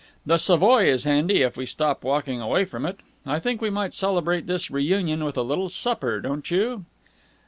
The Savoy is handy, if we stop walking away from it. I think we might celebrate this re union with a little supper, don't you?"